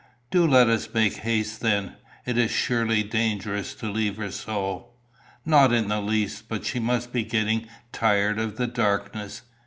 "Do let us make haste then. It is surely dangerous to leave her so." "Not in the least; but she must be getting tired of the darkness.